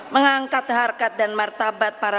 mengangkat harkat dan martabat para petani buruh dan nelayan